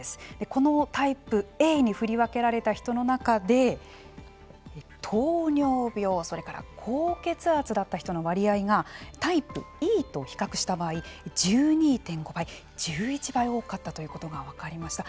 このタイプＡに振り分けられた人の中で糖尿病、それから高血圧だった人の割合がタイプＥと比較した場合１２．５倍１１倍多かったということが分かりました。